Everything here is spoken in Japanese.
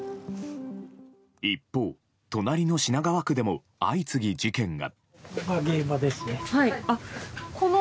一方、隣の品川区でも相次ぎ事件が。